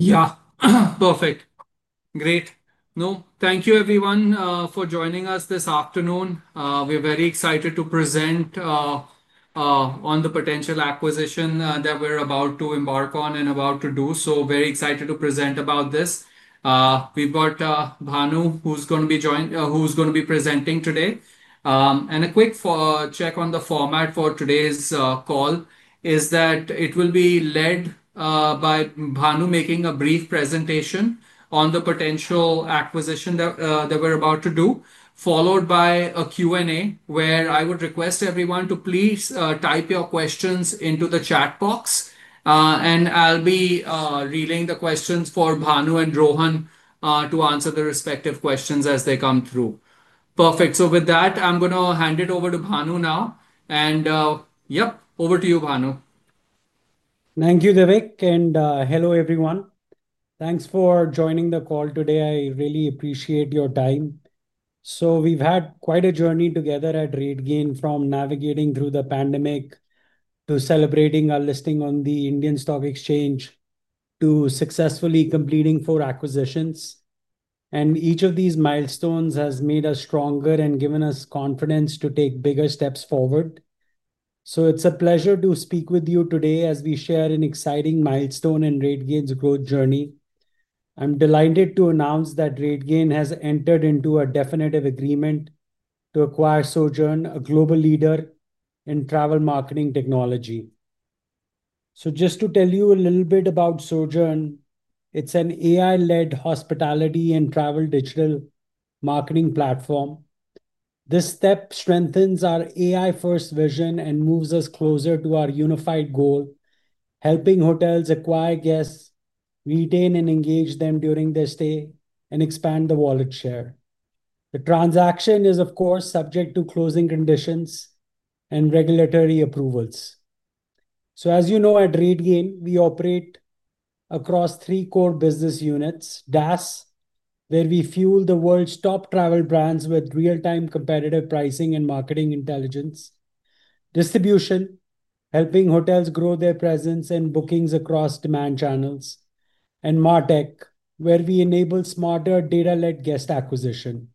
Yeah, perfect. Great. No, thank you, everyone, for joining us this afternoon. We're very excited to present on the potential acquisition that we're about to embark on and about to do. Very excited to present about this. We've got Bhanu, who's going to be joining, who's going to be presenting today. A quick check on the format for today's call is that it will be led by Bhanu making a brief presentation on the potential acquisition that we're about to do, followed by a Q&A where I would request everyone to please type your questions into the chat box. I'll be reading the questions for Bhanu and Rohan to answer the respective questions as they come through. Perfect. With that, I'm going to hand it over to Bhanu now. Yep, over to you, Bhanu. Thank you, Devik. Hello, everyone. Thanks for joining the call today. I really appreciate your time. We've had quite a journey together at RateGain, from navigating through the pandemic to celebrating our listing on the Indian Stock Exchange to successfully completing four acquisitions. Each of these milestones has made us stronger and given us confidence to take bigger steps forward. It's a pleasure to speak with you today as we share an exciting milestone in RateGain's growth journey. I'm delighted to announce that RateGain has entered into a definitive agreement to acquire Sojern, a global leader in travel marketing technology. Just to tell you a little bit about Sojern, it's an AI-led hospitality and travel digital marketing platform. This step strengthens our AI-first vision and moves us closer to our unified goal: helping hotels acquire guests, retain and engage them during their stay, and expand the wallet share. The transaction is, of course, subject to closing conditions and regulatory approvals. As you know, at RateGain, we operate across three core business units: DAS, where we fuel the world's top travel brands with real-time competitive pricing and marketing intelligence; Distribution, helping hotels grow their presence in bookings across demand channels; and MarTech, where we enable smarter data-led guest acquisition.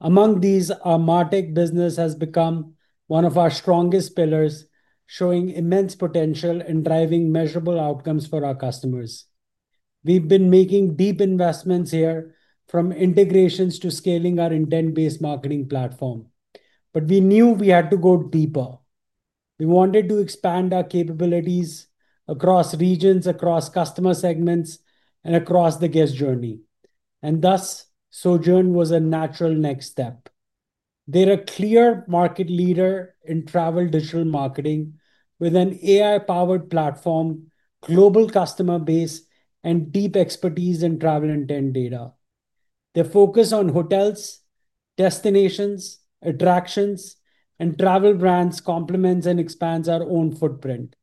Among these, our MarTech business has become one of our strongest pillars, showing immense potential and driving measurable outcomes for our customers. We've been making deep investments here, from integrations to scaling our intent-based marketing platform. We knew we had to go deeper. We wanted to expand our capabilities across regions, across customer segments, and across the guest journey. Thus, Sojern was a natural next step. They're a clear market leader in travel digital marketing with an AI-powered platform, global customer base, and deep expertise in travel intent data. Their focus on hotels, destinations, attractions, and travel brands complements and expands our own footprint.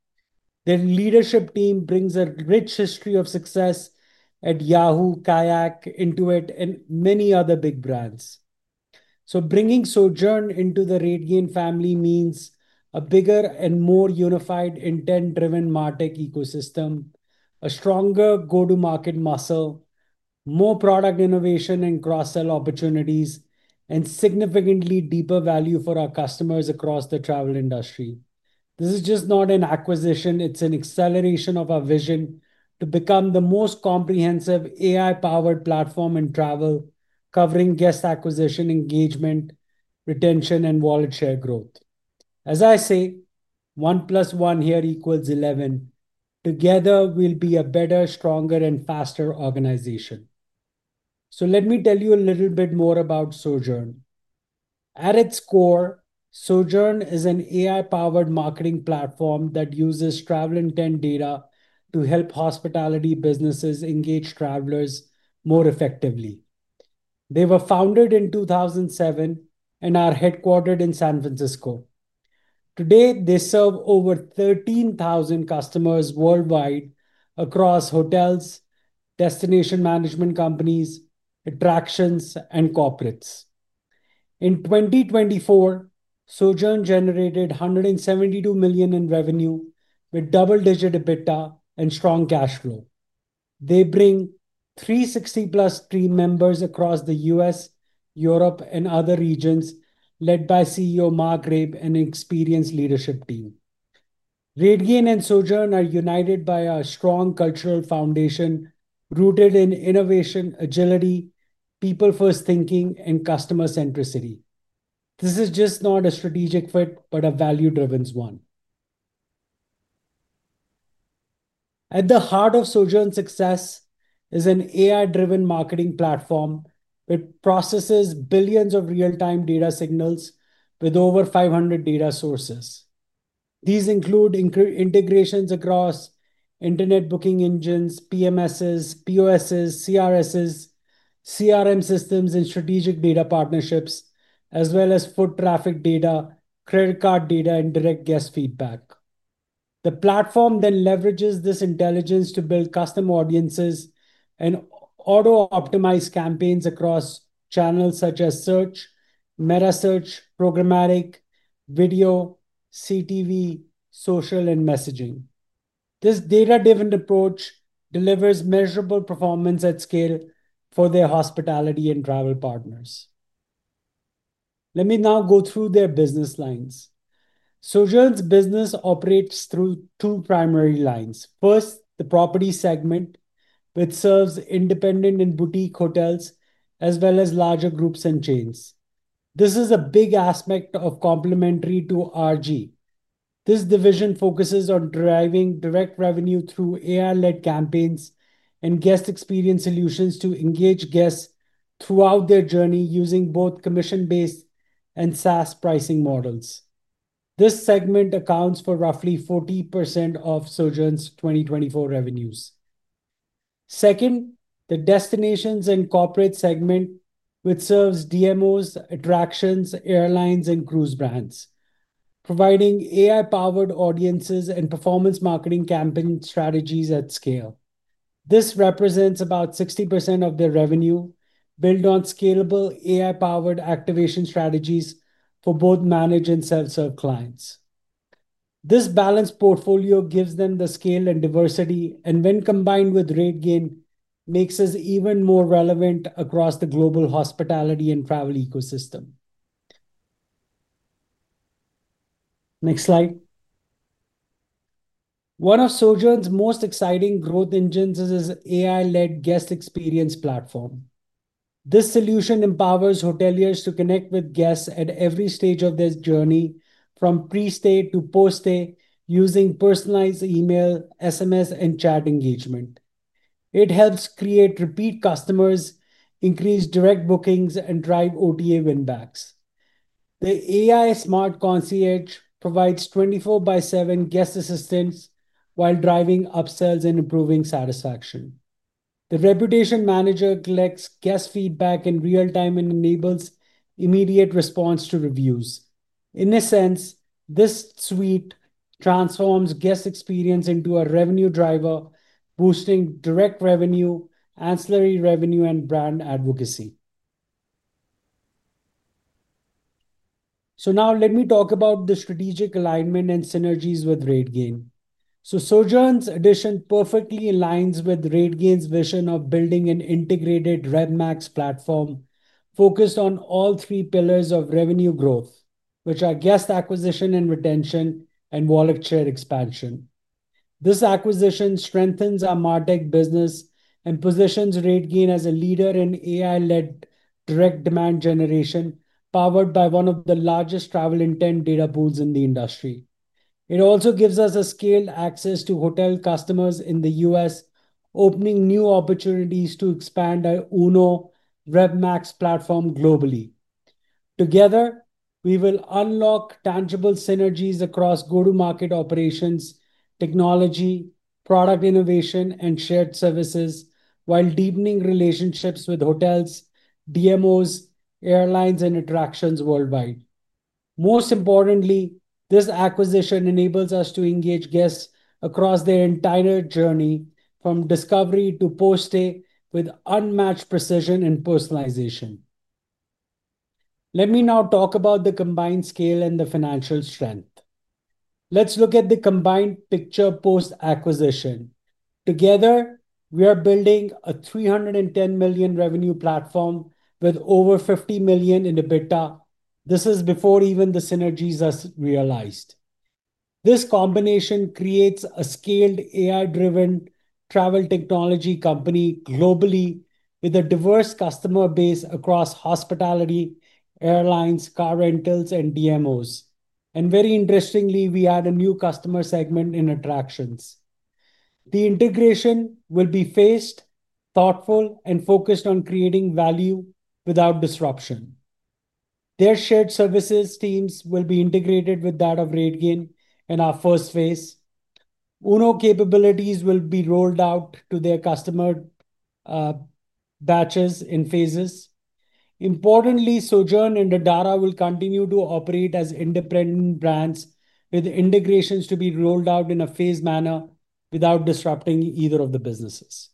Their leadership team brings a rich history of success at Yahoo, Kayak, Intuit, and many other big brands. Bringing Sojern into the RateGain family means a bigger and more unified intent-driven MarTech ecosystem, a stronger go-to-market muscle, more product innovation and cross-sell opportunities, and significantly deeper value for our customers across the travel industry. This is just not an acquisition. It's an acceleration of our vision to become the most comprehensive AI-powered platform in travel, covering guest acquisition, engagement, retention, and wallet share growth. As I say, 1 + 1 = 11. Together, we'll be a better, stronger, and faster organization. Let me tell you a little bit more about Sojern. At its core, Sojern is an AI-powered marketing platform that uses travel intent data to help hospitality businesses engage travelers more effectively. They were founded in 2007 and are headquartered in San Francisco. Today, they serve over 13,000 customers worldwide across hotels, destination management companies, attractions, and corporates. In 2024, Sojern generated 172 million in revenue with double-digit EBITDA and strong cash flow. They bring 360+ team members across the U.S., Europe, and other regions, led by CEO Mark Rabe and an experienced leadership team. RateGain and Sojern are united by a strong cultural foundation rooted in innovation, agility, people-first thinking, and customer centricity. This is just not a strategic fit, but a value-driven one. At the heart of Sojern's success is an AI-driven marketing platform that processes billions of real-time data signals with over 500 data sources. These include integrations across internet booking engines, PMSs, POSs, CRSs, CRM systems, and strategic data partnerships, as well as foot traffic data, credit card data, and direct guest feedback. The platform then leverages this intelligence to build custom audiences and auto-optimize campaigns across channels such as search, meta search, programmatic, video, CTV, social, and messaging. This data-driven approach delivers measurable performance at scale for their hospitality and travel partners. Let me now go through their business lines. Sojern's business operates through two primary lines. First, the property segment, which serves independent and boutique hotels, as well as larger groups and chains. This is a big aspect of complementary to RG. This division focuses on driving direct revenue through AI-led campaigns and guest experience solutions to engage guests throughout their journey using both commission-based and SaaS pricing models. This segment accounts for roughly 40% of Sojern's 2024 revenues. Second, the destinations and corporate segment, which serves DMOs, attractions, airlines, and cruise brands, providing AI-powered audiences and performance marketing campaign strategies at scale. This represents about 60% of their revenue, built on scalable AI-powered activation strategies for both managed and self-serve clients. This balanced portfolio gives them the scale and diversity, and when combined with RateGain, makes us even more relevant across the global hospitality and travel ecosystem. Next slide. One of Sojern's most exciting growth engines is its AI-led guest experience platform. This solution empowers hoteliers to connect with guests at every stage of their journey, from pre-stay to post-stay, using personalized email, SMS, and chat engagement. It helps create repeat customers, increase direct bookings, and drive OTA win-backs. The AI Smart Concierge provides 24/7 guest assistance while driving upsells and improving satisfaction. The reputation manager collects guest feedback in real time and enables immediate response to reviews. In a sense, this suite transforms guest experience into a revenue driver, boosting direct revenue, ancillary revenue, and brand advocacy. Now let me talk about the strategic alignment and synergies with RateGain. Sojern's addition perfectly aligns with RateGain's vision of building an integrated RevMax platform focused on all three pillars of revenue growth, which are guest acquisition and retention and wallet share expansion. This acquisition strengthens our MarTech business and positions RateGain as a leader in AI-led direct demand generation, powered by one of the largest travel intent data pools in the industry. It also gives us scaled access to hotel customers in the U.S., opening new opportunities to expand our UNO RevMax platform globally. Together, we will unlock tangible synergies across go-to-market operations, technology, product innovation, and shared services, while deepening relationships with hotels, DMOs, airlines, and attractions worldwide. Most importantly, this acquisition enables us to engage guests across their entire journey, from discovery to post-stay, with unmatched precision and personalization. Let me now talk about the combined scale and the financial strength. Let's look at the combined picture post-acquisition. Together, we are building a 310 million revenue platform with over 50 million in EBITDA. This is before even the synergies are realized. This combination creates a scaled AI-driven travel technology company globally, with a diverse customer base across hospitality, airlines, car rentals, and DMOs. Very interestingly, we add a new customer segment in attractions. The integration will be phased, thoughtful, and focused on creating value without disruption. Their shared services teams will be integrated with that of RateGain in our first phase. UNO capabilities will be rolled out to their customer batches in phases. Importantly, Sojern and Adara will continue to operate as independent brands, with integrations to be rolled out in a phased manner without disrupting either of the businesses.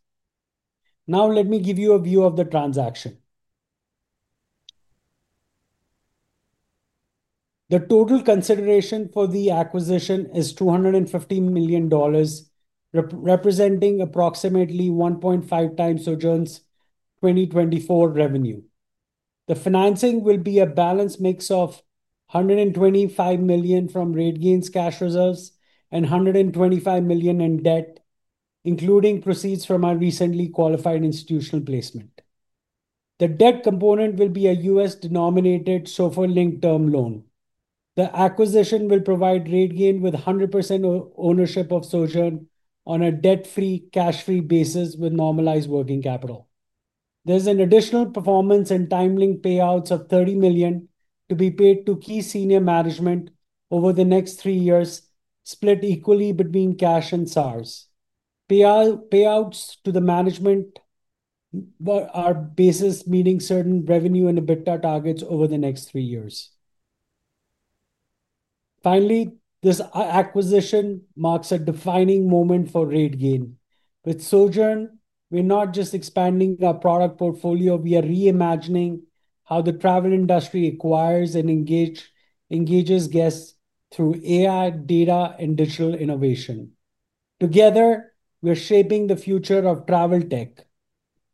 Now, let me give you a view of the transaction. The total consideration for the acquisition is INR 250 million, representing approximately 1.5 times Sojern's 2024 revenue. The financing will be a balanced mix of 125 million from RateGain's cash reserves and 125 million in debt, including proceeds from our recently qualified institutional placement. The debt component will be a U.S.-denominated SOFR-linked term loan. The acquisition will provide RateGain with 100% ownership of Sojern on a debt-free, cash-free basis with normalized working capital. There is an additional performance and timely payouts of 30 million to be paid to key senior management over the next three years, split equally between cash and SaaS. Payouts to the management are basis meeting certain revenue and EBITDA targets over the next three years. Finally, this acquisition marks a defining moment for RateGain. With Sojern, we're not just expanding our product portfolio, we are reimagining how the travel industry acquires and engages guests through AI, data, and digital innovation. Together, we're shaping the future of travel tech.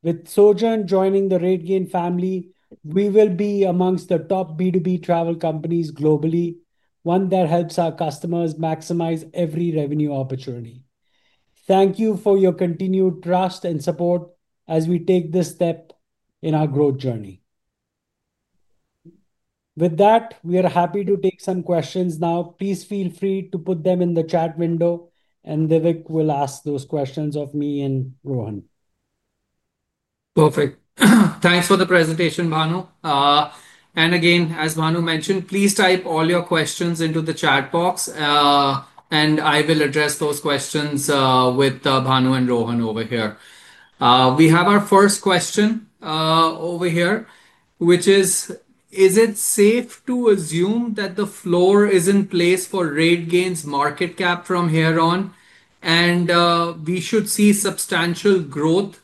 With Sojern joining the RateGain family, we will be amongst the top B2B travel companies globally, one that helps our customers maximize every revenue opportunity. Thank you for your continued trust and support as we take this step in our growth journey. With that, we are happy to take some questions now. Please feel free to put them in the chat window, and Devik will ask those questions of me and Rohan. Perfect. Thanks for the presentation, Bhanu. As Bhanu mentioned, please type all your questions into the chat box. I will address those questions with Bhanu and Rohan over here. We have our first question over here, which is, is it safe to assume that the floor is in place for RateGain's market cap from here on, and we should see substantial growth,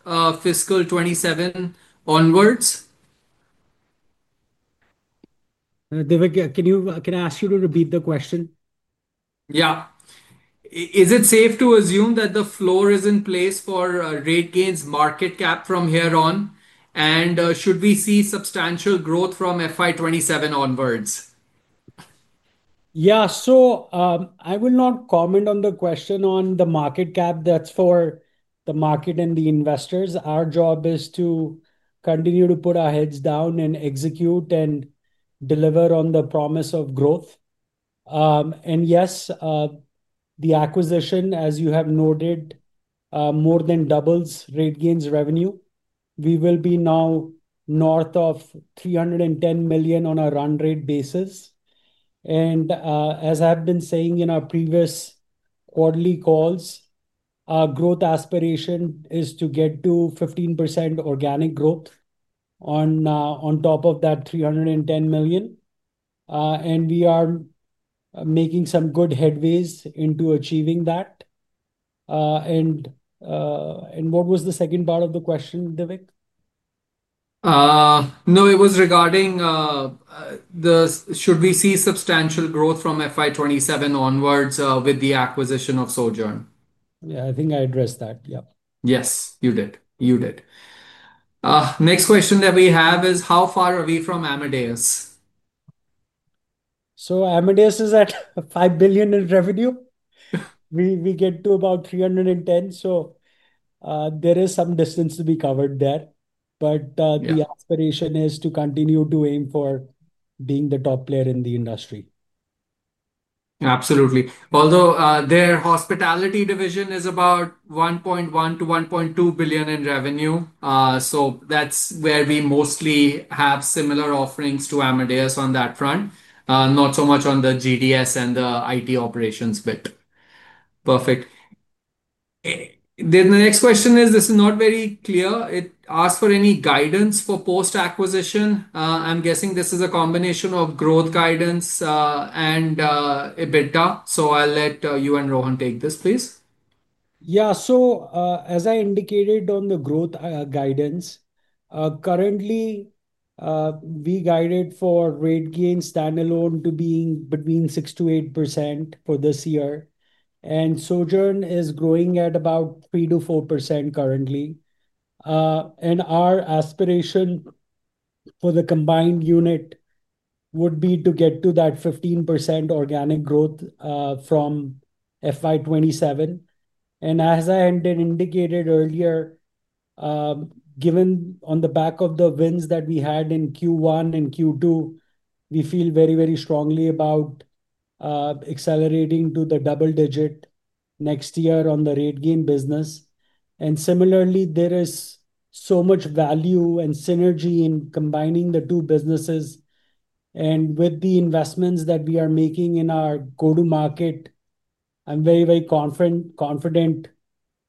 fiscal 2027 onwards? Devik, can you, can I ask you to repeat the question? Yeah. Is it safe to assume that the floor is in place for RateGain's market cap from here on, and should we see substantial growth from FY 2027 onwards? Yeah. I will not comment on the question on the market cap. That's for the market and the investors. Our job is to continue to put our heads down and execute and deliver on the promise of growth. Yes, the acquisition, as you have noted, more than doubles RateGain's revenue. We will be now north of 310 million on a run-rate basis. As I've been saying in our previous quarterly calls, our growth aspiration is to get to 15% organic growth on top of that 310 million. We are making some good headways into achieving that. What was the second part of the question, Devik? No, it was regarding should we see substantial growth from FY 2027 onwards with the acquisition of Sojern. Yeah, I think I addressed that. Yeah. Yes, you did. You did. Next question that we have is, how far are we from Amadeus? Amadeus is at 5 billion in revenue. We get to about 310 million. There is some distance to be covered there, but the aspiration is to continue to aim for being the top player in the industry. Absolutely. Although their hospitality division is about 1.1 billion-1.2 billion in revenue, that's where we mostly have similar offerings to Amadeus on that front, not so much on the GDS and the IT operations bit. Perfect. The next question is, this is not very clear. It asks for any guidance for post-acquisition. I'm guessing this is a combination of growth guidance and EBITDA. I'll let you and Rohan take this, please. Yeah. As I indicated on the growth guidance, currently, we guided for RateGain's standalone to be between 6%-8% for this year. Sojern is growing at about 3%-4% currently. Our aspiration for the combined unit would be to get to that 15% organic growth from FY 2027. As I indicated earlier, given the wins that we had in Q1 and Q2, we feel very, very strongly about accelerating to the double-digit next year on the RateGain business. Similarly, there is so much value and synergy in combining the two businesses. With the investments that we are making in our go-to-market, I'm very, very confident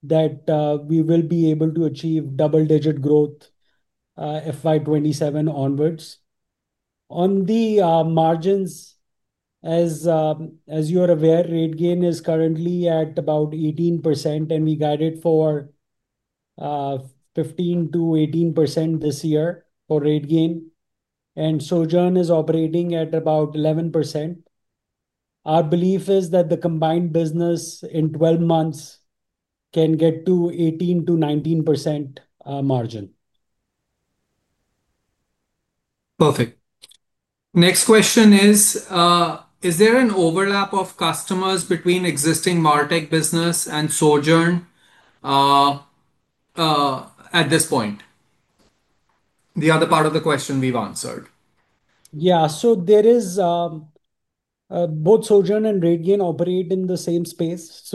that we will be able to achieve double-digit growth FY 2027 onwards. On the margins, as you are aware, RateGain is currently at about 18%, and we guided for 15%-18% this year for RateGain. Sojern is operating at about 11%. Our belief is that the combined business in 12 months can get to 18%-19% margin. Perfect. Next question is, is there an overlap of customers between existing MarTech business and Sojern at this point? The other part of the question we've answered. Yeah. So, both Sojern and RateGain operate in the same space.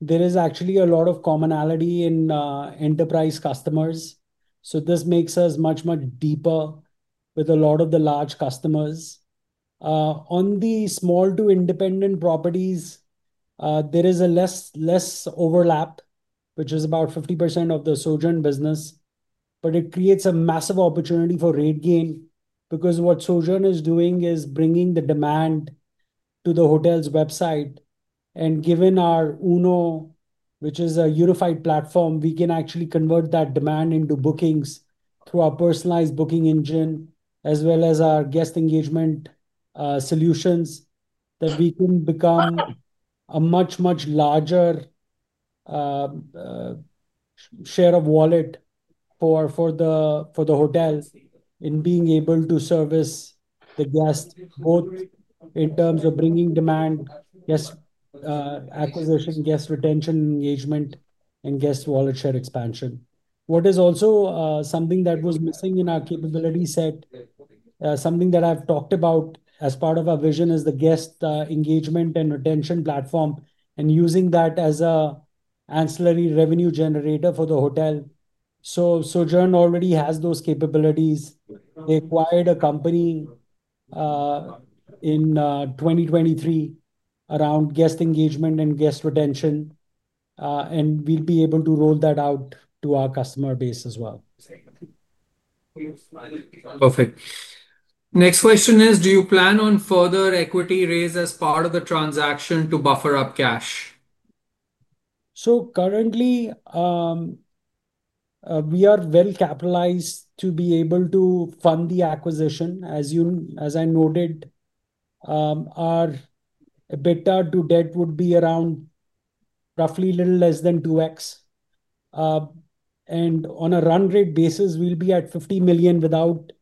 There is actually a lot of commonality in enterprise customers. This makes us much, much deeper with a lot of the large customers. On the small to independent properties, there is less overlap, which is about 50% of the Sojern business. It creates a massive opportunity for RateGain because what Sojern is doing is bringing the demand to the hotel's website. Given our UNO, which is a unified platform, we can actually convert that demand into bookings through our personalized booking engine, as well as our guest engagement solutions. We can become a much, much larger share of wallet for the hotels in being able to service the guests, both in terms of bringing demand, guest acquisition, guest retention, engagement, and guest wallet share expansion. What is also something that was missing in our capability set, something that I've talked about as part of our vision, is the guest engagement and retention platform and using that as an ancillary revenue generator for the hotel. Sojern already has those capabilities. They acquired a company in 2023 around guest engagement and guest retention, and we'll be able to roll that out to our customer base as well. Perfect. Next question is, do you plan on further equity raised as part of the transaction to buffer up cash? Currently, we are well capitalized to be able to fund the acquisition. As I noted, our EBITDA to debt would be around roughly a little less than 2X. On a run-rate basis, we'll be at 50 million without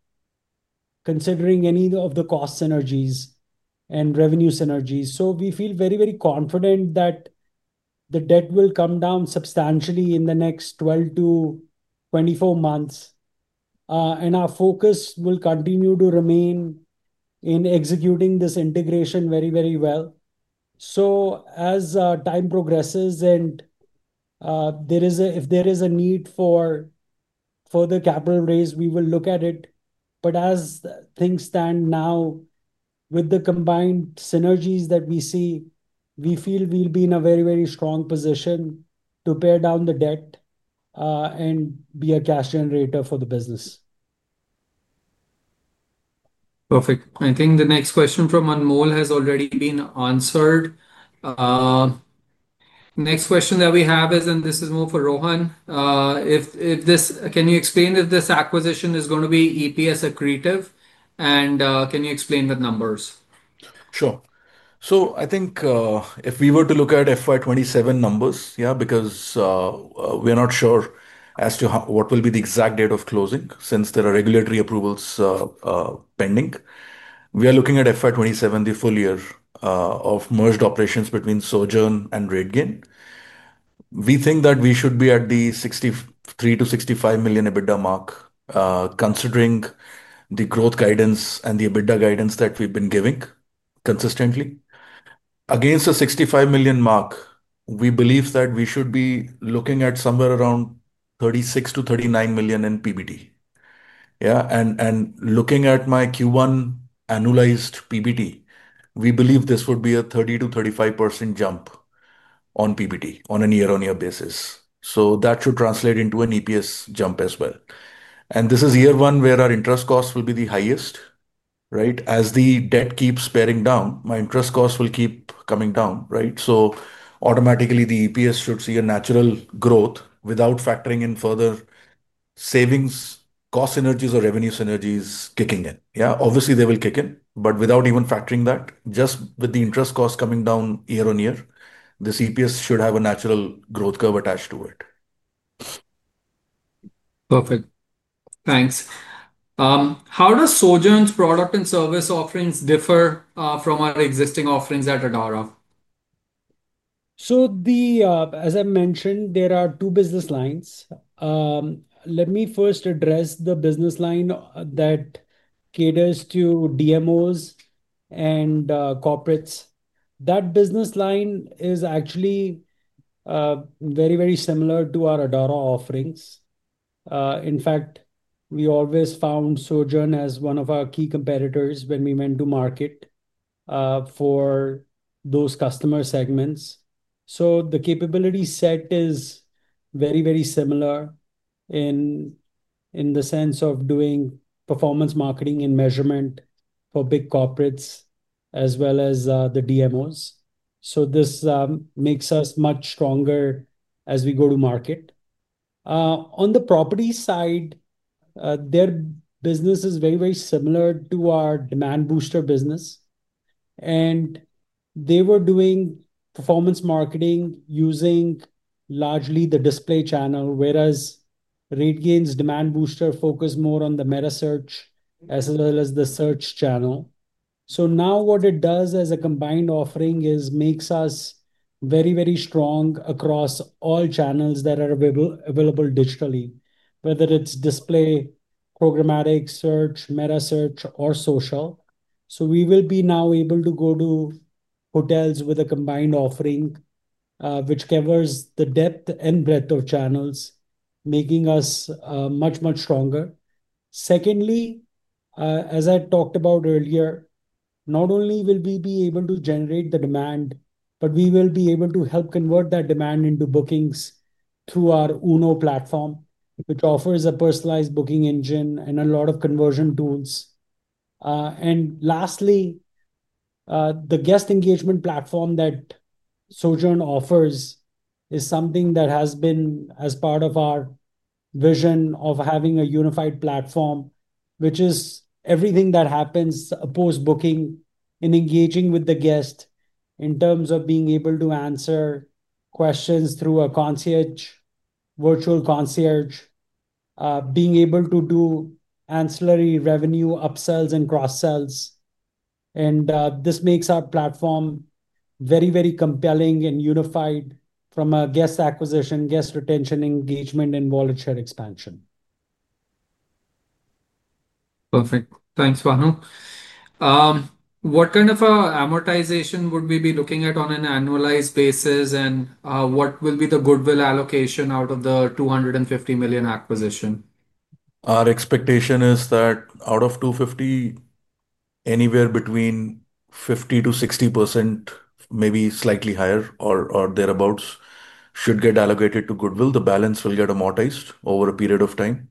considering any of the cost synergies and revenue synergies. We feel very, very confident that the debt will come down substantially in the next 12-24 months. Our focus will continue to remain in executing this integration very, very well. As time progresses, if there is a need for further capital raise, we will look at it. As things stand now, with the combined synergies that we see, we feel we'll be in a very, very strong position to pare down the debt and be a cash generator for the business. Perfect. I think the next question from Anmol has already been answered. The next question that we have is, and this is more for Rohan, if this, can you explain if this acquisition is going to be EPS accretive? Can you explain the numbers? Sure. I think if we were to look at FY 2027 numbers, yeah, because we are not sure as to what will be the exact date of closing since there are regulatory approvals pending. We are looking at FY 2027, the full year of merged operations between Sojern and RateGain. We think that we should be at the 63 million-65 million EBITDA mark, considering the growth guidance and the EBITDA guidance that we've been giving consistently. Against the 65 million mark, we believe that we should be looking at somewhere around 36 million-39 million in PBD. Yeah, and looking at my Q1 annualized PBD, we believe this would be a 30%-35% jump on PBD on a year-on-year basis. That should translate into an EPS jump as well. This is year one where our interest costs will be the highest, right? As the debt keeps paring down, my interest costs will keep coming down, right? Automatically, the EPS should see a natural growth without factoring in further savings, cost synergies, or revenue synergies kicking in. Obviously, they will kick in, but without even factoring that, just with the interest costs coming down year-on-year, this EPS should have a natural growth curve attached to it. Perfect. Thanks. How does Sojern's product and service offerings differ from our existing offerings at Adara? As I mentioned, there are two business lines. Let me first address the business line that caters to DMOs and corporates. That business line is actually very, very similar to our Adara offerings. In fact, we always found Sojern as one of our key competitors when we went to market for those customer segments. The capability set is very, very similar in the sense of doing performance marketing and measurement for big corporates, as well as the DMOs. This makes us much stronger as we go to market. On the property side, their business is very, very similar to our demand booster business. They were doing performance marketing using largely the display channel, whereas RateGain's demand booster focused more on the meta search, as well as the search channel. What it does as a combined offering is it makes us very, very strong across all channels that are available digitally, whether it's display, programmatic search, meta search, or social. We will be now able to go to hotels with a combined offering, which covers the depth and breadth of channels, making us much, much stronger. Secondly, as I talked about earlier, not only will we be able to generate the demand, but we will be able to help convert that demand into bookings through our UNO platform, which offers a personalized booking engine and a lot of conversion tools. Lastly, the guest engagement platform that Sojern offers is something that has been as part of our vision of having a unified platform, which is everything that happens post-booking and engaging with the guest in terms of being able to answer questions through a concierge, virtual concierge, being able to do ancillary revenue upsells and cross-sells. This makes our platform very, very compelling and unified from a guest acquisition, guest retention, engagement, and wallet share expansion. Perfect. Thanks, Bhanu. What kind of amortization would we be looking at on an annualized basis? What will be the goodwill allocation out of the 250 million acquisition? Our expectation is that out of 250 million, anywhere between 50%-60%, maybe slightly higher or thereabouts, should get allocated to goodwill. The balance will get amortized over a period of time.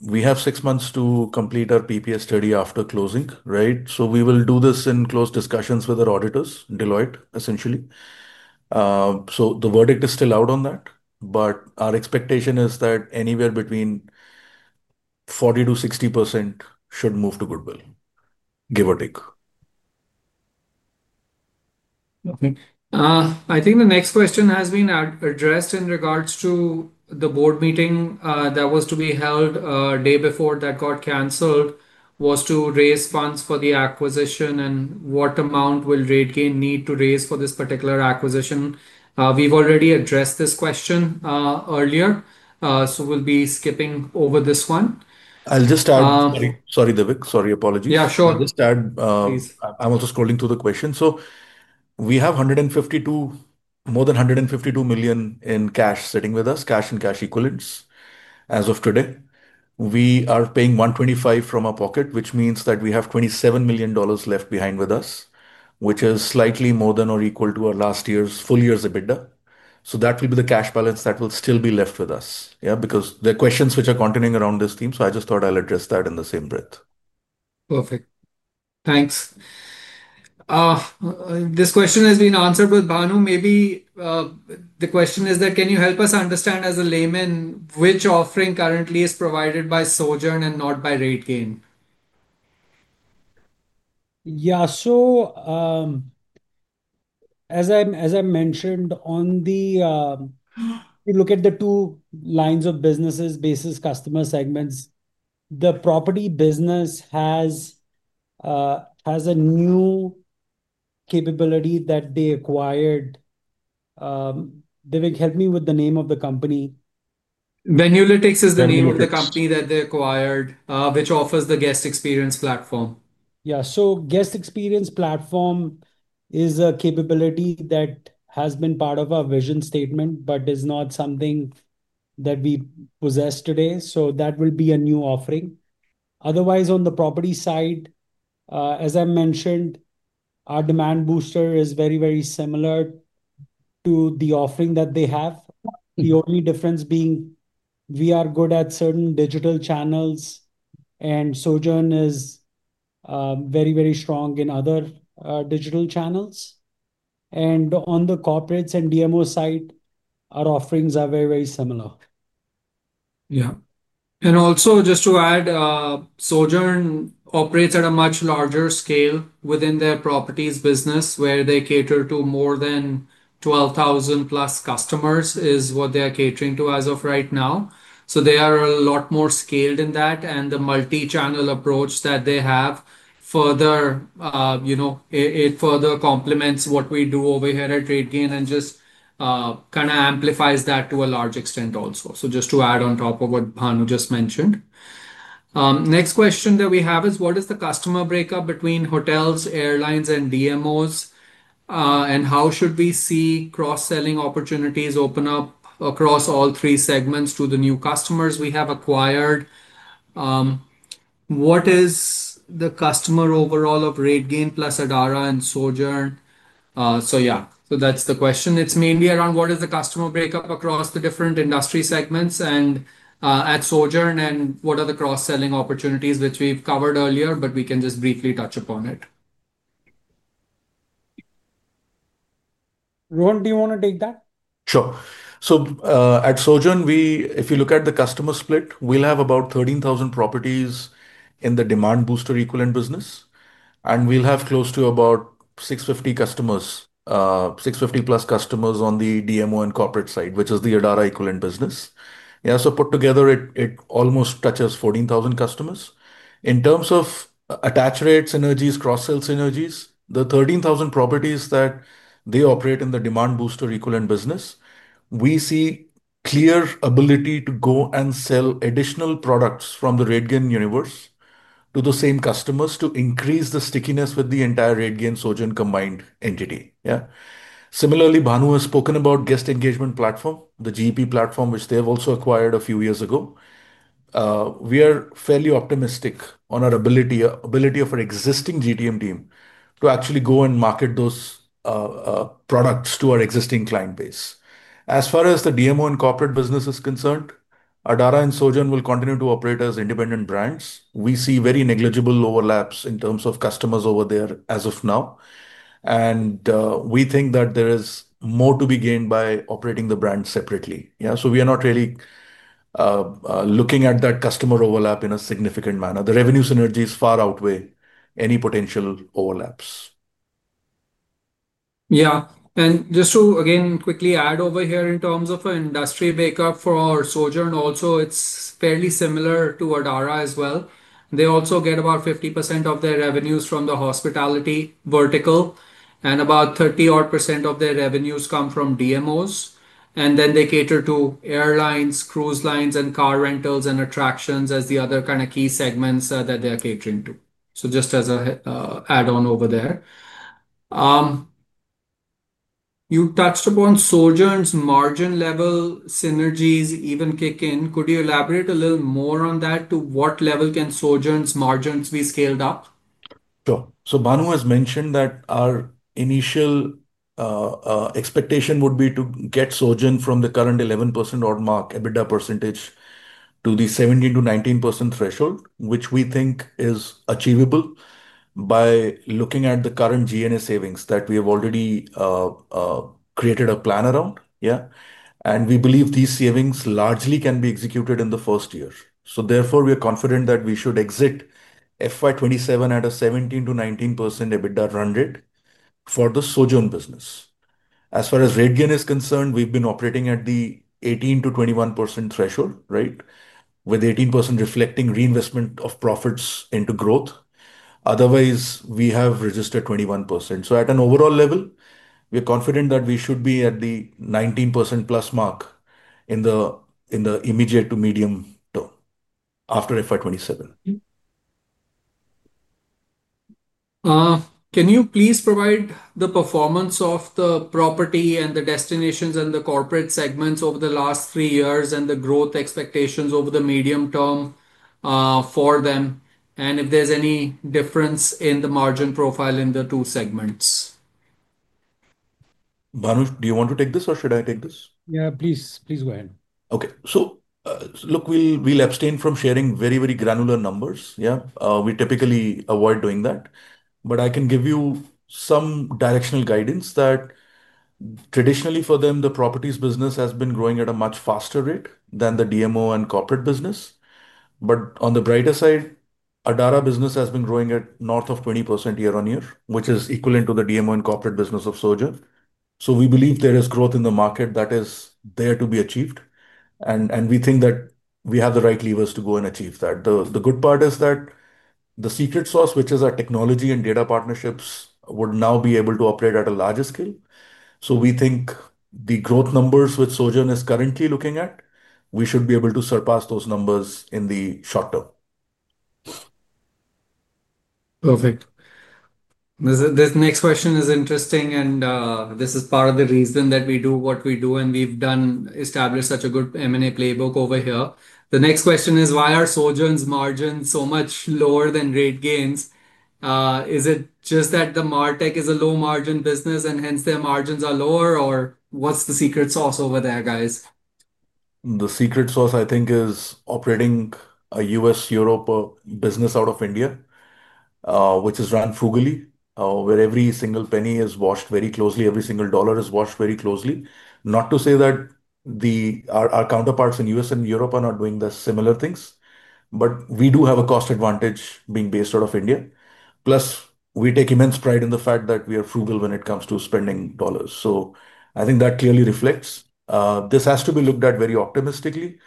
We have six months to complete our PPS study after closing, right? We will do this in closed discussions with our auditors, Deloitte, essentially. The verdict is still out on that. Our expectation is that anywhere between 40%-60% should move to goodwill, give or take. Perfect. I think the next question has been addressed in regards to the board meeting that was to be held a day before that got canceled, was to raise funds for the acquisition and what amount will RateGain Travel Technologies need to raise for this particular acquisition. We've already addressed this question earlier, so we'll be skipping over this one. I'll just add, sorry, Devik. Sorry, apologies. Yeah, sure. I'll just add, I'm also scrolling through the question. We have more than 152 million in cash sitting with us, cash and cash equivalents, as of today. We are paying 125 million from our pocket, which means that we have INR 27 million left behind with us, which is slightly more than or equal to our last year's full year's EBITDA. That will be the cash balance that will still be left with us, yeah, because there are questions which are continuing around this theme. I just thought I'll address that in the same breath. Perfect. Thanks. This question has been answered with Bhanu. Maybe the question is that, can you help us understand as a layman which offering currently is provided by Sojern and not by RateGain? Yeah. As I mentioned, if you look at the two lines of businesses, basis customer segments, the property business has a new capability that they acquired. Devik, help me with the name of the company. Sojern is the name of the company that they acquired, which offers the AI-led guest experience platform. Yeah. Guest experience platform is a capability that has been part of our vision statement, but is not something that we possess today. That will be a new offering. Otherwise, on the property side, as I mentioned, our demand booster is very, very similar to the offering that they have. The only difference being we are good at certain digital channels, and Sojern is very, very strong in other digital channels. On the corporates and DMO side, our offerings are very, very similar. Yeah. Also, just to add, Sojern operates at a much larger scale within their properties business, where they cater to more than 12,000 customers as of right now. They are a lot more scaled in that, and the multi-channel approach that they have further complements what we do over here at RateGain and just kind of amplifies that to a large extent also. Just to add on top of what Bhanu just mentioned. Next question that we have is, what is the customer breakup between hotels, airlines, and DMOs? How should we see cross-sell opportunities open up across all three segments to the new customers we have acquired? What is the customer overall of RateGain plus Adara and Sojern? That's the question. It's mainly around what is the customer breakup across the different industry segments and at Sojern, and what are the cross-sell opportunities which we've covered earlier, but we can just briefly touch upon it. Rohan, do you want to take that? Sure. At Sojern, if you look at the customer split, we'll have about 13,000 properties in the demand booster equivalent business. We'll have close to about 650 customers, 650+ customers on the DMO and corporate side, which is the Adara equivalent business. Put together, it almost touches 14,000 customers. In terms of attach rate synergies, cross-sell synergies, the 13,000 properties that they operate in the demand booster equivalent business, we see clear ability to go and sell additional products from the RateGain universe to the same customers to increase the stickiness with the entire RateGain-Sojern combined entity. Similarly, Bhanu has spoken about guest engagement platform, the GEP platform, which they have also acquired a few years ago. We are fairly optimistic on our ability of our existing GTM team to actually go and market those products to our existing client base. As far as the DMO and corporate business is concerned, Adara and Sojern will continue to operate as independent brands. We see very negligible overlaps in terms of customers over there as of now. We think that there is more to be gained by operating the brand separately. We are not really looking at that customer overlap in a significant manner. The revenue synergies far outweigh any potential overlaps. Yeah, and just to again quickly add over here, in terms of an industry breakup for Sojern, also it's fairly similar to Adara as well. They also get about 50% of their revenues from the hospitality vertical, and about 30% of their revenues come from DMOs. Then they cater to airlines, cruise lines, car rentals, and attractions as the other kind of key segments that they're catering to, just as an add-on over there. You touched upon Sojern's margin level synergies even kick in. Could you elaborate a little more on that? To what level can Sojern's margins be scaled up? Sure. Bhanu has mentioned that our initial expectation would be to get Sojern from the current 11% odd mark EBITDA percentage to the 17%-19% threshold, which we think is achievable by looking at the current GNS savings that we have already created a plan around. We believe these savings largely can be executed in the first year. Therefore, we are confident that we should exit FY 2027 at a 17%-19% EBITDA run rate for the Sojern business. As far as RateGain is concerned, we've been operating at the 18%-21% threshold, with 18% reflecting reinvestment of profits into growth. Otherwise, we have registered 21%. At an overall level, we are confident that we should be at the 19%+ mark in the immediate to medium term after FY 2027. Can you please provide the performance of the property and the destinations and the corporate segments over the last three years and the growth expectations over the medium term for them, and if there's any difference in the margin profile in the two segments? Bhanu, do you want to take this or should I take this? Yeah, please go ahead. Okay, so look, we'll abstain from sharing very, very granular numbers. Yeah, we typically avoid doing that. I can give you some directional guidance that traditionally for them, the properties business has been growing at a much faster rate than the DMO and corporate business. On the brighter side, Adara business has been growing at north of 20% year-on-year, which is equivalent to the DMO and corporate business of Sojern. We believe there is growth in the market that is there to be achieved, and we think that we have the right levers to go and achieve that. The good part is that the secret sauce, which is our technology and data partnerships, would now be able to operate at a larger scale. We think the growth numbers which Sojern is currently looking at, we should be able to surpass those numbers in the short term. Perfect. This next question is interesting, and this is part of the reason that we do what we do, and we've established such a good M&A playbook over here. The next question is, why are Sojern's margins so much lower than RateGain's? Is it just that the MarTech is a low margin business and hence their margins are lower, or what's the secret sauce over there, guys? The secret sauce, I think, is operating a U.S.-Europe business out of India, which is run frugally, where every single penny is watched very closely. Every single dollar is watched very closely. Not to say that our counterparts in the U.S. and Europe are not doing similar things, but we do have a cost advantage being based out of India. Plus, we take immense pride in the fact that we are frugal when it comes to spending dollars. I think that clearly reflects. This has to be looked at very optimistically.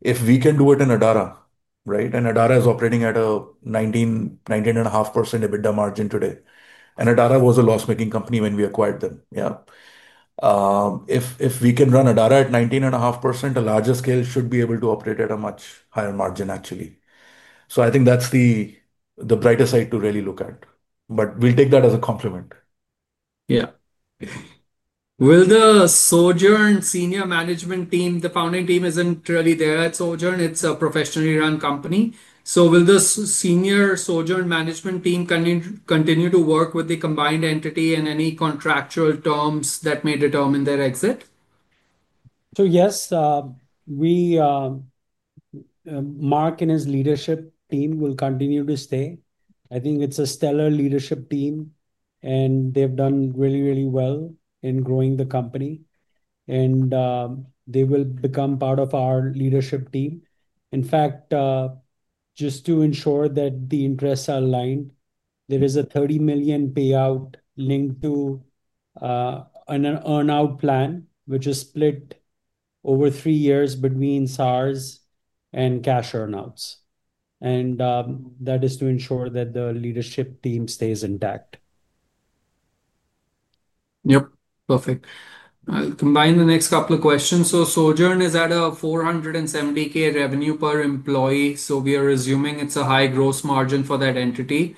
If we can do it in Adara, right, and Adara is operating at a 19%, 19.5% EBITDA margin today, and Adara was a loss-making company when we acquired them. If we can run Adara at 19.5%, a larger scale should be able to operate at a much higher margin, actually. I think that's the brighter side to really look at. We'll take that as a compliment. Will the Sojern senior management team, the founding team isn't really there at Sojern. It's a professionally run company. Will the senior Sojern management team continue to work with the combined entity, and any contractual terms that may determine their exit? Mark and his leadership team will continue to stay. I think it's a stellar leadership team, and they've done really, really well in growing the company. They will become part of our leadership team. In fact, just to ensure that the interests are aligned, there is a 30 million payout linked to an earnout plan, which is split over three years between SaaS and cash earnouts. That is to ensure that the leadership team stays intact. Yep, perfect. I'll combine the next couple of questions. Sojern is at a 470,000 revenue per employee. We are assuming it's a high gross margin for that entity.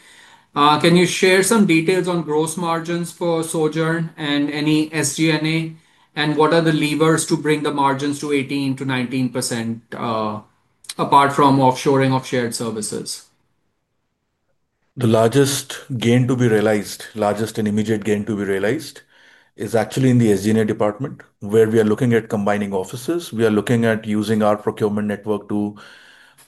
Can you share some details on gross margins for Sojern and any SG&A? What are the levers to bring the margins to 18%-19% apart from offshoring of shared services? The largest gain to be realized, largest and immediate gain to be realized, is actually in the SG&A department, where we are looking at combining offices. We are looking at using our procurement network to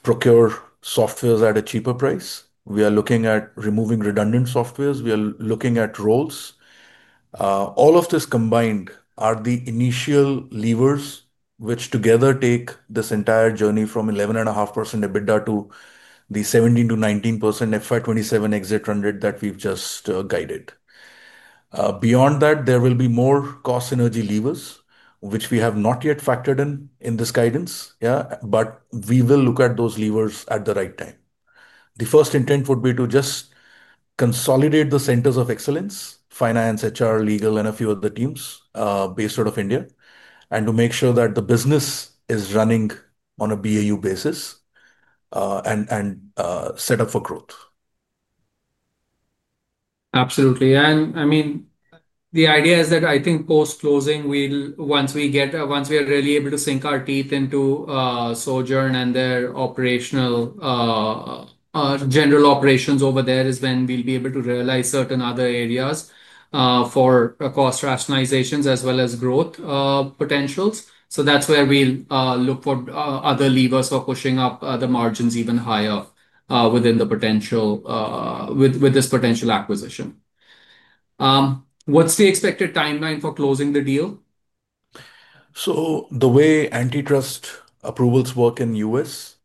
procure softwares at a cheaper price. We are looking at removing redundant softwares. We are looking at roles. All of this combined are the initial levers, which together take this entire journey from 11.5% EBITDA to the 17%-19% FY 2027 exit run rate that we've just guided. Beyond that, there will be more cost synergy levers, which we have not yet factored in in this guidance. We will look at those levers at the right time. The first intent would be to just consolidate the Centers of Excellence, Finance, HR, Legal, and a few other teams based out of India, and to make sure that the business is running on a BAU basis and set up for growth. Absolutely. I mean, the idea is that I think post-closing, once we are really able to sink our teeth into Sojern and their general operations over there, is when we'll be able to realize certain other areas for cost rationalizations as well as growth potentials. That's where we'll look for other levers for pushing up the margins even higher with this potential acquisition. What's the expected timeline for closing the deal? The way antitrust approvals work in the U.S.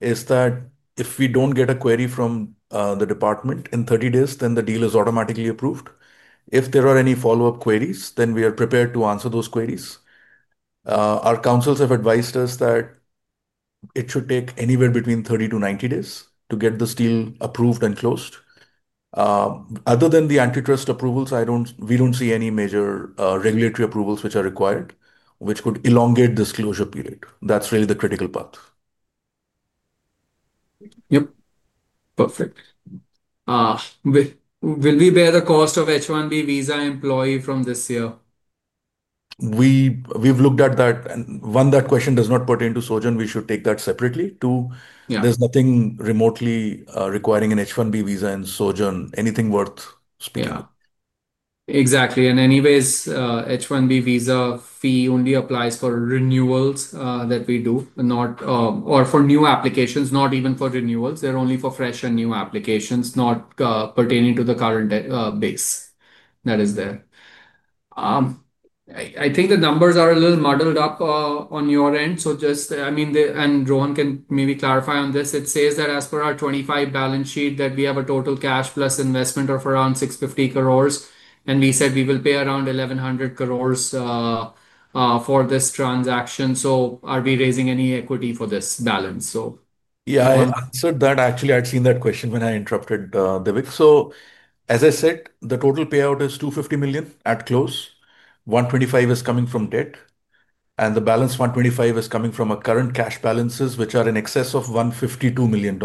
is that if we don't get a query from the department in 30 days, then the deal is automatically approved. If there are any follow-up queries, we are prepared to answer those queries. Our counsels have advised us that it should take anywhere between 30-90 days to get this deal approved and closed. Other than the antitrust approvals, we don't see any major regulatory approvals which are required, which could elongate this closure period. That's really the critical path. Yep. Perfect. Will we bear the cost of H1B visa employee from this year? We've looked at that. One, that question does not pertain to Sojern. We should take that separately. Two, there's nothing remotely requiring an H1B visa in Sojern. Anything worth spending? Yeah, exactly. Anyways, H1B visa fee only applies for new applications, not even for renewals. They're only for fresh and new applications, not pertaining to the current base that is there. I think the numbers are a little muddled up on your end. Rohan can maybe clarify on this. It says that as per our 2025 balance sheet, we have a total cash plus investment of around 650 crore. We said we will pay around 1,100 crore for this transaction. Are we raising any equity for this balance? Yeah, I answered that. Actually, I'd seen that question when I interrupted Devik. As I said, the total payout is 250 million at close. 125 million is coming from debt, and the balance 125 million is coming from our current cash balances, which are in excess of INR 152 million.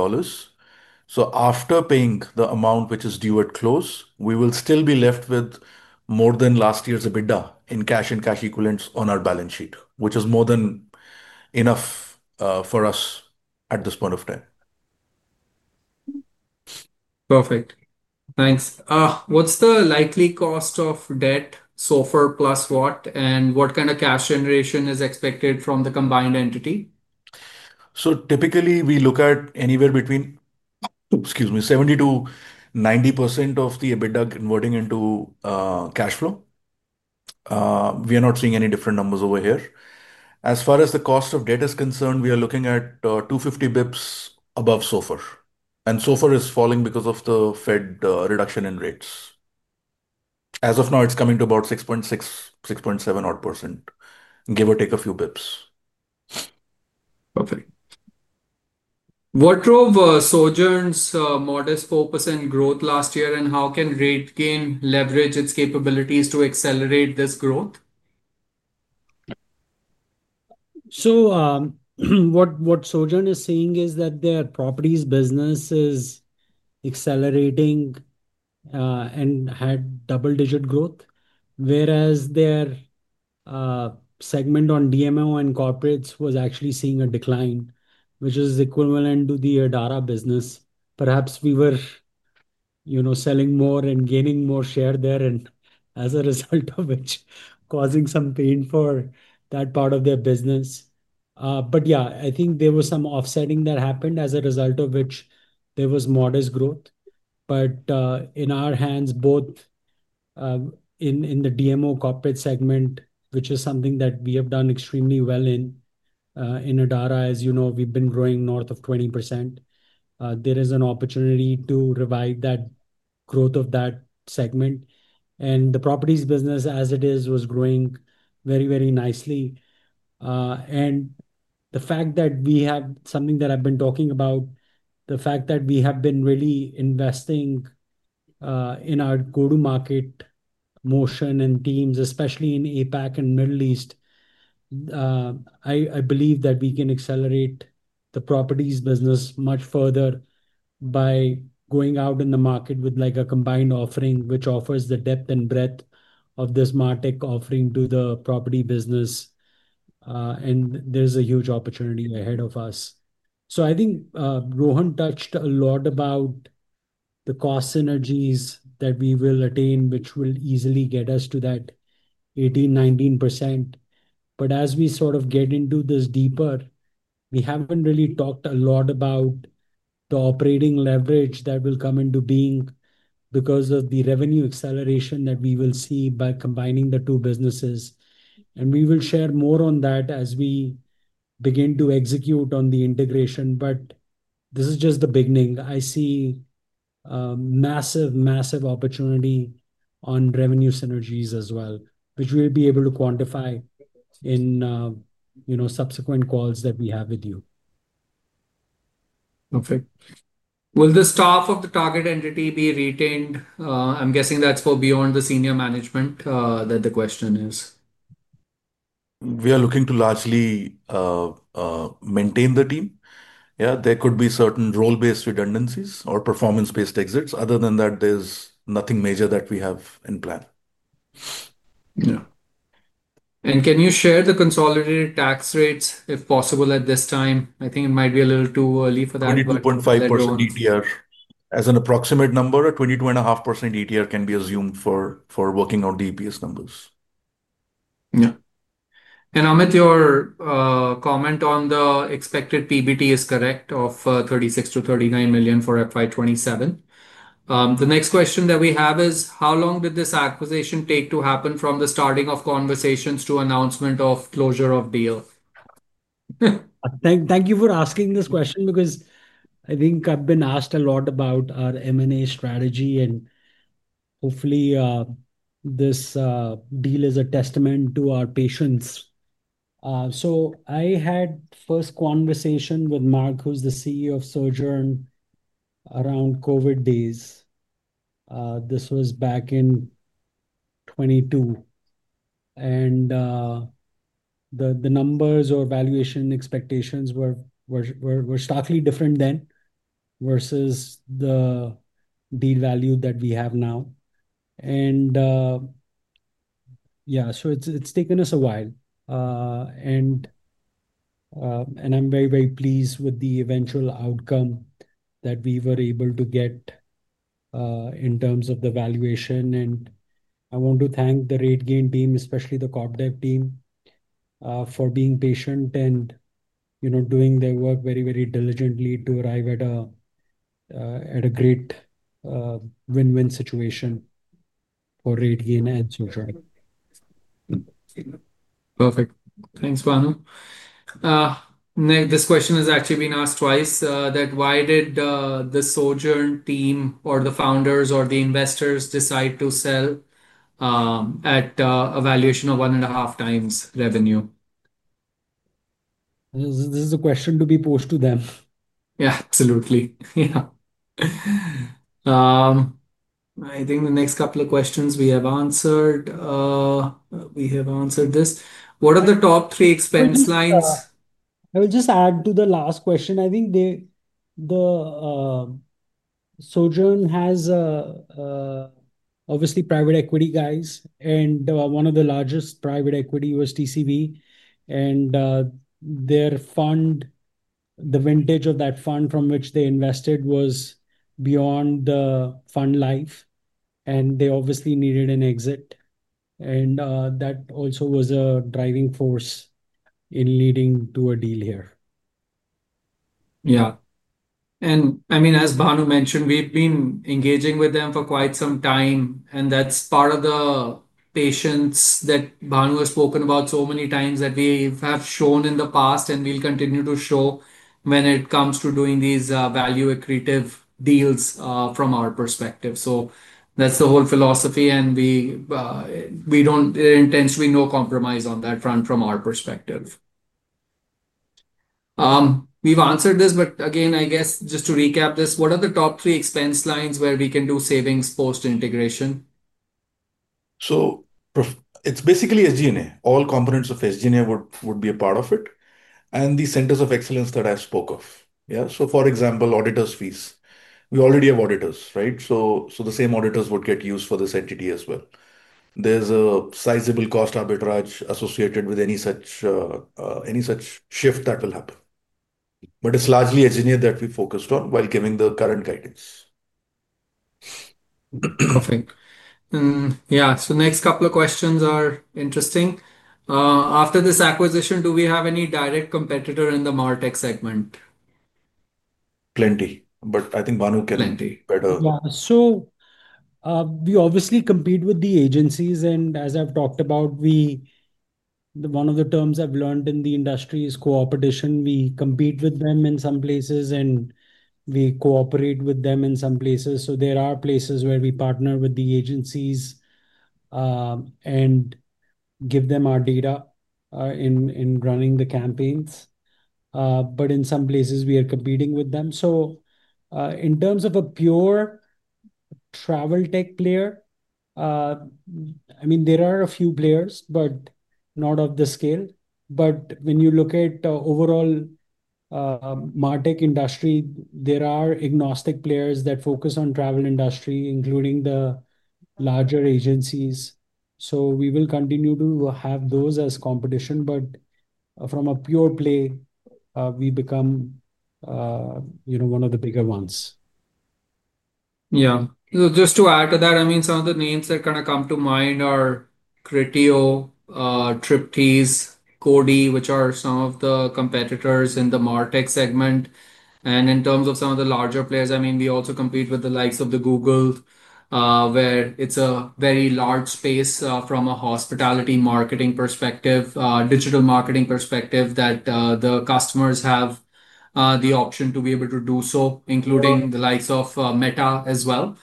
After paying the amount which is due at close, we will still be left with more than last year's EBITDA in cash and cash equivalents on our balance sheet, which is more than enough for us at this point of time. Perfect. Thanks. What's the likely cost of debt so far plus what? What kind of cash generation is expected from the combined entity? Typically, we look at anywhere between 70%-90% of the EBITDA converting into cash flow. We are not seeing any different numbers over here. As far as the cost of debt is concerned, we are looking at 250 basis points above SOFR. So far, it's falling because of the Fed reduction in rates. As of now, it's coming to about 6.6%, 6.7% odd %, give or take a few basis points. Perfect. What drove Sojern's modest 4% growth last year? How can RateGain leverage its capabilities to accelerate this growth? What Sojern is seeing is that their properties business is accelerating and had double-digit growth, whereas their segment on DMO and corporates was actually seeing a decline, which is equivalent to the Adara business. Perhaps we were, you know, selling more and gaining more share there, and as a result of it, causing some pain for that part of their business. I think there was some offsetting that happened as a result of which there was modest growth. In our hands, both in the DMO corporate segment, which is something that we have done extremely well in, in Adara, as you know, we've been growing north of 20%. There is an opportunity to revive that growth of that segment. The properties business, as it is, was growing very, very nicely. The fact that we have something that I've been talking about, the fact that we have been really investing in our go-to-market motion and teams, especially in APAC and Middle East, I believe that we can accelerate the properties business much further by going out in the market with a combined offering, which offers the depth and breadth of this MarTech offering to the property business. There's a huge opportunity ahead of us. I think Rohan touched a lot about the cost synergies that we will attain, which will easily get us to that 18%, 19%. As we sort of get into this deeper, we haven't really talked a lot about the operating leverage that will come into being because of the revenue acceleration that we will see by combining the two businesses. We will share more on that as we begin to execute on the integration. This is just the beginning. I see massive, massive opportunity on revenue synergies as well, which we'll be able to quantify in subsequent calls that we have with you. Perfect. Will the staff of the target entity be retained? I'm guessing that's for beyond the Senior Management that the question is. We are looking to largely maintain the team. Yeah, there could be certain role-based redundancies or performance-based exits. Other than that, there's nothing major that we have in plan. Can you share the consolidated tax rates, if possible, at this time? I think it might be a little too early for that. 22.5% ETR. As an approximate number, a 22.5% ETR can be assumed for working on the EPS numbers. Yeah. Amit, your comment on the expected PBT is correct of 36 million-NR 39 million for FY 2027. The next question that we have is, how long did this acquisition take to happen from the starting of conversations to announcement of closure of deal? Thank you for asking this question because I think I've been asked a lot about our M&A strategy, and hopefully, this deal is a testament to our patience. I had the first conversation with Mark Rabe, who's the CEO of Sojern, around COVID days. This was back in 2022. The numbers or valuation expectations were slightly different then versus the deal value that we have now. It has taken us a while. I'm very, very pleased with the eventual outcome that we were able to get in terms of the valuation. I want to thank the RateGain team, especially the Corp Dev team, for being patient and doing their work very, very diligently to arrive at a great win-win situation for RateGain and Sojern. Perfect. Thanks, Bhanu. This question has actually been asked twice, that why did the Sojern team or the founders or the investors decide to sell at a valuation of 1.5 times revenue? This is a question to be posed to them. Yeah, absolutely. I think the next couple of questions we have answered. We have answered this. What are the top three expense lines? I would just add to the last question. I think Sojern has obviously private equity guys, and one of the largest private equity was TCV. Their fund, the vintage of that fund from which they invested, was beyond the fund life. They obviously needed an exit. That also was a driving force in leading to a deal here. Yeah. As Bhanu mentioned, we've been engaging with them for quite some time. That's part of the patience that Bhanu has spoken about so many times that we have shown in the past and will continue to show when it comes to doing these value accretive deals from our perspective. That's the whole philosophy. We don't intend to be no compromise on that front from our perspective. We've answered this, but again, I guess just to recap this, what are the top three expense lines where we can do savings post-integration? It's basically SG&A. All components of SG&A would be a part of it, and the centers of excellence that I spoke of. For example, auditors' fees. We already have auditors, right? The same auditors would get used for this entity as well. There's a sizable cost arbitrage associated with any such shift that will happen. It's largely SG&A that we focused on while giving the current guidance. Perfect. Yeah, the next couple of questions are interesting. After this acquisition, do we have any direct competitor in the MarTech segment? Plenty, but I think Bhanu can better. Yeah, we obviously compete with the agencies. As I've talked about, one of the terms I've learned in the industry is cooperation. We compete with them in some places, and we cooperate with them in some places. There are places where we partner with the agencies and give them our data in running the campaigns. In some places, we are competing with them. In terms of a pure travel tech player, I mean, there are a few players, but not of the scale. When you look at the overall MarTech industry, there are agnostic players that focus on the travel industry, including the larger agencies. We will continue to have those as competition. From a pure play, we become, you know, one of the bigger ones. Yeah. Just to add to that, I mean, some of the names that kind of come to mind are Criteo, Triptease, Cody, which are some of the competitors in the MarTech segment. In terms of some of the larger players, I mean, we also compete with the likes of Google, where it's a very large space from a hospitality marketing perspective, digital marketing perspective that the customers have the option to be able to do so, including the likes of Meta as well.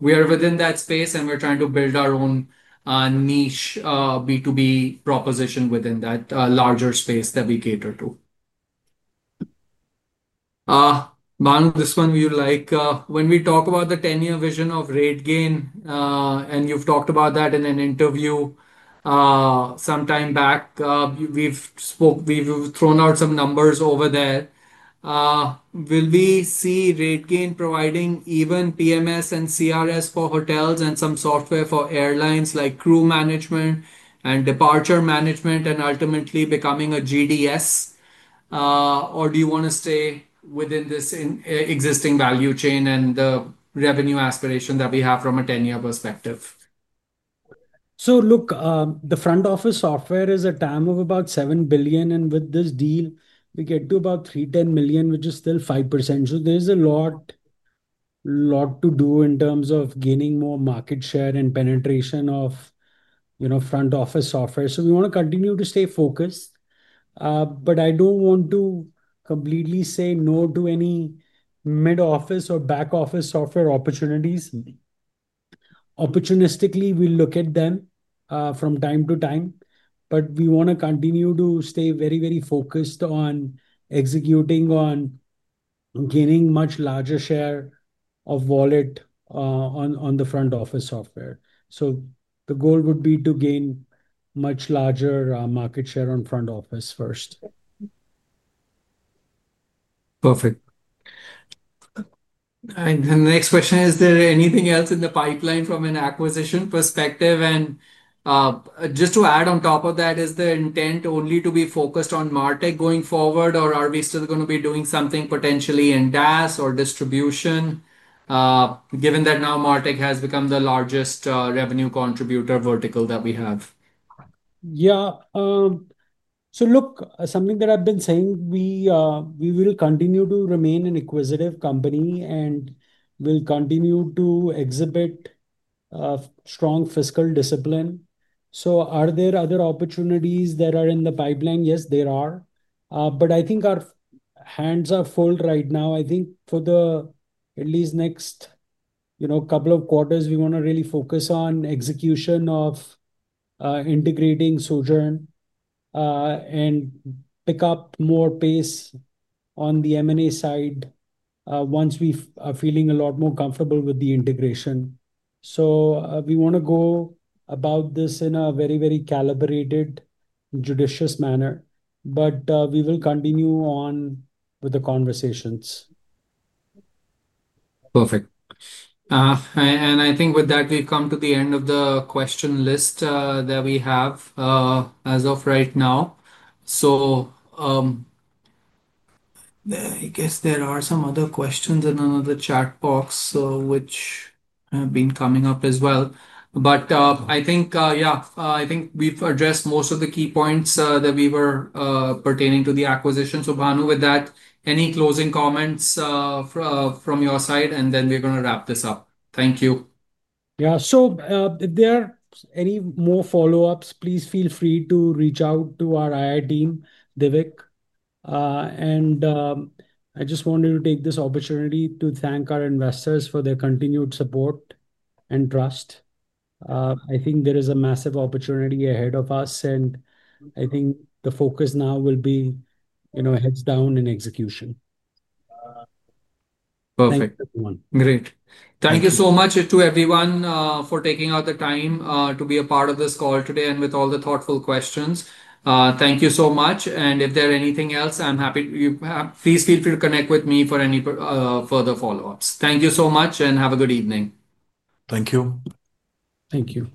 We are within that space, and we're trying to build our own niche B2B proposition within that larger space that we cater to. Bhanu, this one we would like. When we talk about the 10-year vision of RateGain, and you've talked about that in an interview sometime back, we've thrown out some numbers over there. Will we see RateGain providing even PMS and CRS for hotels and some software for airlines, like crew management and departure management, and ultimately becoming a GDS? Or do you want to stay within this existing value chain and the revenue aspiration that we have from a 10-year perspective? The front office software is a TAM of about 7 billion. With this deal, we get to about 310 million, which is still 5%. There is a lot to do in terms of gaining more market share and penetration of, you know, front office software. We want to continue to stay focused. I don't want to completely say no to any mid-office or back-office software opportunities. Opportunistically, we'll look at them from time to time. We want to continue to stay very, very focused on executing on gaining much larger share of wallet on the front office software. The goal would be to gain much larger market share on front office first. Perfect. Is there anything else in the pipeline from an acquisition perspective? Just to add on top of that, is the intent only to be focused on MarTech going forward, or are we still going to be doing something potentially in DAS or distribution, given that now MarTech has become the largest revenue contributor vertical that we have? Yeah. Look, something that I've been saying, we will continue to remain an acquisitive company and will continue to exhibit strong fiscal discipline. Are there other opportunities that are in the pipeline? Yes, there are. I think our hands are full right now. I think for at least the next couple of quarters, we want to really focus on execution of integrating Sojern and pick up more pace on the M&A side once we are feeling a lot more comfortable with the integration. We want to go about this in a very, very calibrated, judicious manner. We will continue on with the conversations. Perfect. I think with that, we've come to the end of the question list that we have as of right now. There are some other questions in another chat box, which have been coming up as well. I think we've addressed most of the key points that we were pertaining to the acquisition. Bhanu, with that, any closing comments from your side? We're going to wrap this up. Thank you. Yeah. If there are any more follow-ups, please feel free to reach out to our IR team, Devik. I just wanted to take this opportunity to thank our investors for their continued support and trust. I think there is a massive opportunity ahead of us. I think the focus now will be heads down in execution. Perfect. Great. Thank you so much to everyone for taking out the time to be a part of this call today and with all the thoughtful questions. Thank you so much. If there's anything else, please feel free to connect with me for any further follow-ups. Thank you so much, and have a good evening. Thank you. Thank you.